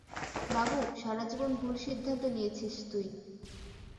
বাবু, সারাজীবন ভুল সিদ্ধান্ত নিয়েছিস তুই।